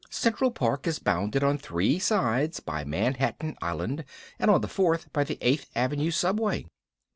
Central Park is bounded on three sides by Manhattan Island and on the fourth by the Eighth Avenue Subway.